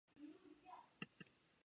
患者也有机会产生幻听幻觉。